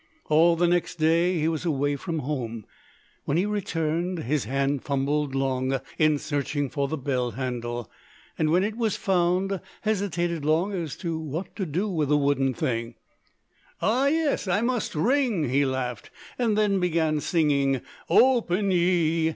All the next day he was away from home. When he returned his hand fumbled long in searching for the bell handle, and when it was found hesitated long as to what to do with the wooden thing. "Ah, yes! I must ring," he laughed, and then began singing, "Open—ye!"